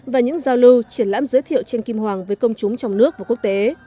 và những giao lưu triển lãm giới thiệu tranh kim hoàng với công chúng trong nước và quốc tế